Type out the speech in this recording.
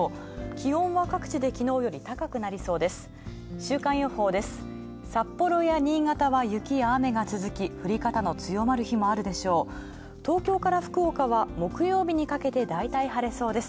気温はきのうより高くなりそうです。